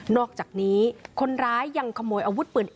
อกจากนี้คนร้ายยังขโมยอาวุธปืน